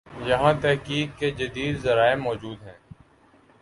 یہاںتحقیق کے جدید ذرائع موجود ہیں۔